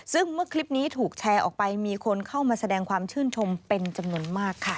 ซึ่งเมื่อคลิปนี้ถูกแชร์ออกไปมีคนเข้ามาแสดงความชื่นชมเป็นจำนวนมากค่ะ